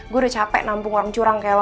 gue udah capek nampung orang curang kayak